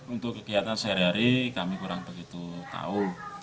untuk kegiatan sehari hari kami kurang begitu tahu